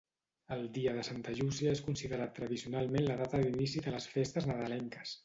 El dia de Santa Llúcia és considerat tradicionalment la data d'inici de les festes nadalenques.